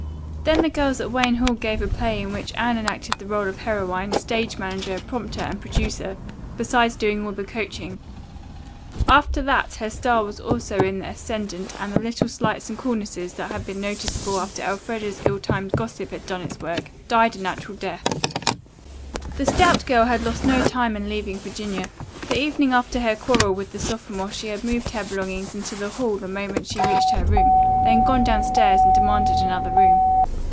Then the girls at Wayne Hall gave a play in which Anne enacted the role of heroine, stage manager, prompter, and producer, besides doing all the coaching. After that her star was also in the ascendant and the little slights and coolnesses that had been noticeable after Elfreda's ill timed gossip had done its work, died a natural death. The stout girl had lost no time in leaving Virginia. The evening after her quarrel with the sophomore she had moved her belongings into the hall the moment she reached her room, then gone downstairs and demanded another room.